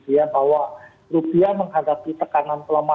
karena bahwa rupiah menghadapi tekanan